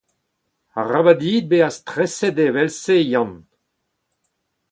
Arabat dit bezañ streset evel-se Yann.